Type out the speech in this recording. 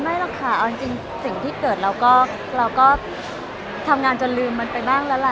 หรอกค่ะเอาจริงสิ่งที่เกิดเราก็ทำงานจนลืมมันไปบ้างแล้วล่ะ